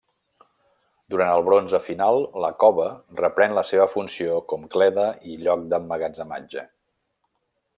Durant el bronze final la cova reprèn la seva funció com cleda i lloc d'emmagatzematge.